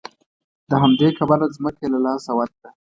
له همدې کبله ځمکه یې له لاسه ورکړه.